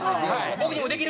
「僕にもできる！」